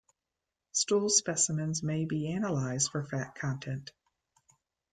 Stool specimens may be analyzed for fat content.